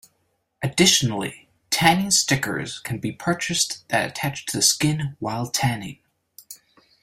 Additionally, "tanning stickers" can be purchased that attach to the skin while tanning.